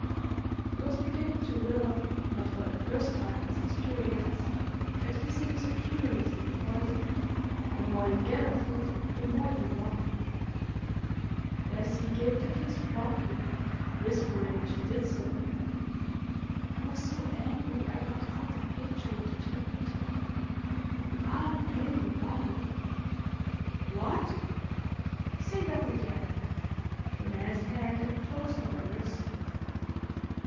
He was beginning to learn, not for the first time in his experience, that kissing is a cumulative poison. The more you get of it, the more you want. Bessie gave the kiss promptly, whispering, as she did so, "I was so angry I rubbed out that picture with the turpentine. You aren't angry, are you?" "What? Say that again." The man's hand had closed on her wrist.